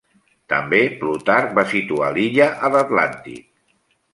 També Plutarc va situar l'illa a l'Atlàntic.